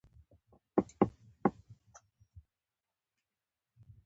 هغه ډېر خبرې کوونکی مې په نښه کړ او ټک مې پرې وکړ.